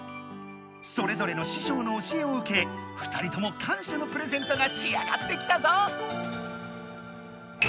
それぞれのししょうの教えを受け２人とも感謝のプレゼントがしあがってきたぞ！